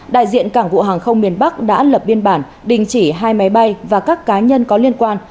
đại diện cảng vụ hàng không miền bắc đã lập biên bản đình chỉ hai máy bay và các cá nhân có liên quan